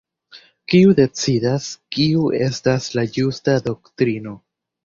Kiu decidas kiu estas la "ĝusta" doktrino?